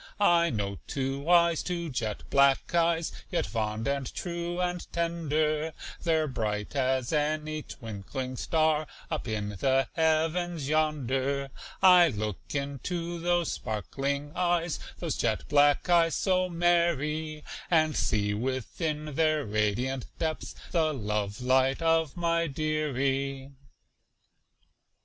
I know two eyes two jet black eyes, Yet fond and true and tender; They're bright as any twinkling star Up in the heavens yonder. I look into those sparkling eyes, Those jet black eyes so merry, And see within their radiant depths The love light of my "dearie."